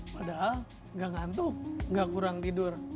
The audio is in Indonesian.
padahal gak ngantuk gak kurang tidur